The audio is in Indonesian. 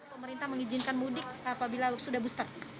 pemerintah mengizinkan mudik apabila sudah booster